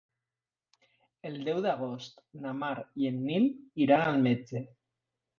El deu d'agost na Mar i en Nil iran al metge.